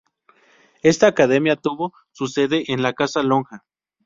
Esta academia tuvo su sede en la Casa Lonja.